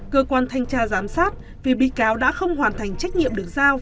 cơ quan thanh tra giám sát vì bị cáo đã không hoàn thành trách nhiệm được giao